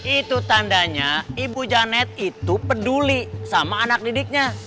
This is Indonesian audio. itu tandanya ibu janet itu peduli sama anak didiknya